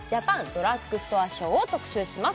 ドラッグストアショーを特集します